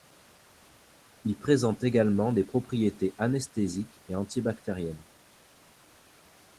Il présente également des propriétés anesthésiques et anti-bactériennes.